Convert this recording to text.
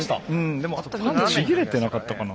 でもパンちぎれてなかったかな？